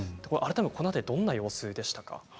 この辺り、どんな様子でしたか？